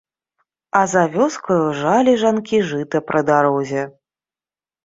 А за вёскаю жалі жанкі жыта пры дарозе.